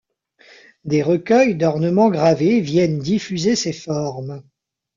Des recueils d’ornements gravés viennent diffuser ces formes.